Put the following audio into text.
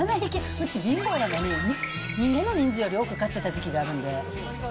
うち、貧乏やのに、人間の人数より多く飼ってた時期があるんで。